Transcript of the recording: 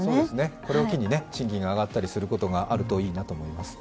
これを機に賃金が上がったりすることがあるといいなと思います。